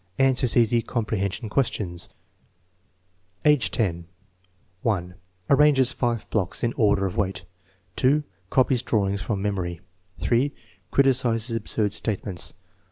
Answers easy "comprehension questions/' Affti l(h 1. Arranges five blocks m order of weight. & Copies drawings from memory, 3. Criticises absurd statements.